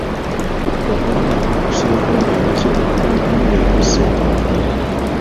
Omuwala amudduseeko ng'amaze n'okumulyako ssente mpitirivu.